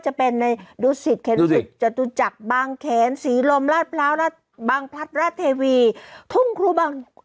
เขาบอกว่ารู้สึกในถึกสูงพี่ยังมั้ยเขารู้สึกอะทั้ง